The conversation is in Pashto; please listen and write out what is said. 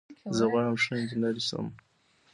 زه غواړم ښه انجنیر شم.